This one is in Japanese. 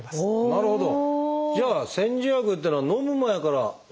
なるほど。